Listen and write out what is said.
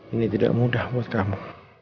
ini tidak mudah buat kamu